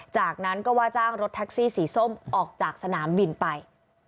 จากนั้นก็ว่าจ้างรถแท็กซี่สีส้มออกจากสนามบินไป